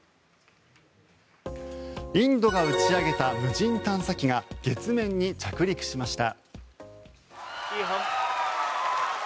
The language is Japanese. インドが打ち上げた無人探査機が月面に着陸しました。